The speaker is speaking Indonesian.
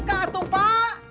pak buka tuh pak